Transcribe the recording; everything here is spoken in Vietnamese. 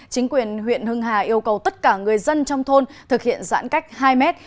chính quyền huyện hưng hà yêu cầu tất cả người dân trong thôn thực hiện giãn cách hai mét